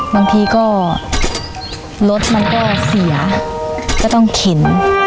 บางทีก็รถมันก็เสียก็ต้องเข็น